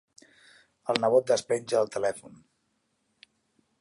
El nebot despenja el telèfon.